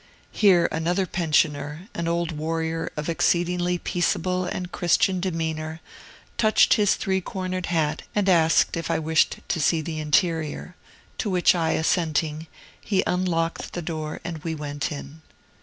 Here another pensioner, an old warrior of exceedingly peaceable and Christian demeanor, touched his three cornered hat and asked if I wished to see the interior; to which I assenting, he unlocked the door, and we went in.